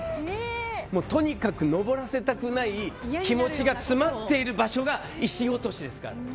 とにかく登らせたくない気持ちが詰まっている場所が石落としですから。